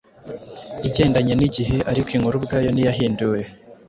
igendanye n’igihe ariko inkuru ubwayo ntiyahinduwe.